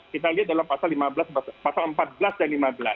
kita lihat dalam pasal empat belas dan lima belas